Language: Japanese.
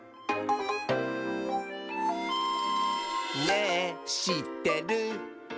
「ねぇしってる？」